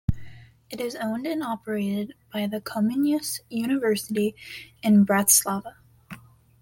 It is owned and operated by the Comenius University in Bratislava.